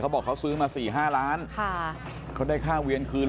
เขาบอกเขาซื้อมาสี่ห้าร้านค่ะเขาได้ค่าการวียนคืน